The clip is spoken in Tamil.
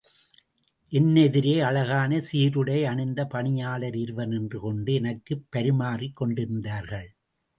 என்னெதிரே அழகான சீருடை அணிந்த பணியாளர் இருவர் நின்று கொண்டு எனக்குப் பரிமாறிக் கொண்டிருந்தார்கள்.